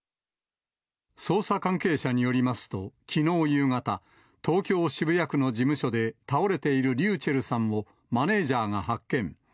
捜査関係者によりますと、きのう夕方、東京・渋谷区の事務所で倒れているｒｙｕｃｈｅｌｌさんをマネージャーが発見。